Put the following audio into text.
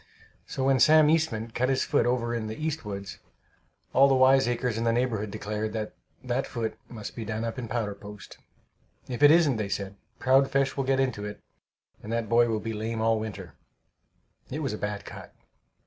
So when Sam Eastman cut his foot over in the "east woods," all the wiseacres in the neighborhood declared that that foot must be done up in powder post. "If it isn't," they said, "proud flesh will get into it, and that boy will be lame all winter." It was a bad cut.